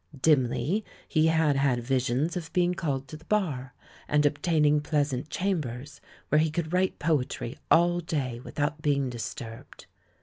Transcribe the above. Dimly he had had visions of being called to the Bar and obtaining pleasant cham bers where he could write poetry all day without being disturbed.